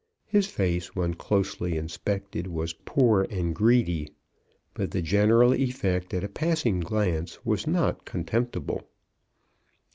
His face when closely inspected was poor and greedy, but the general effect at a passing glance was not contemptible.